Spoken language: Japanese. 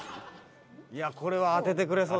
「いやこれは当ててくれそう」